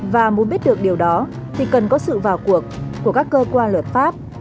và muốn biết được điều đó thì cần có sự vào cuộc của các cơ quan luật pháp